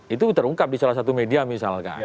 itu terungkap di salah satu media misalkan